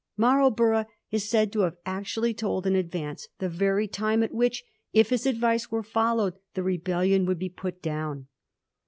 Marlborough is said to have actually told in advance the very time at which, if his advice were followed, the rebellion could be put down.